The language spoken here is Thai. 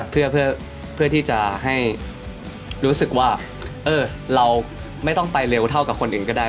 เพื่อที่จะให้รู้สึกว่าเราไม่ต้องไปเร็วเท่ากับคนอื่นก็ได้